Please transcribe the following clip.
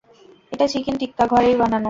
এটা চিকেন টিক্কা, ঘরেই বানানো।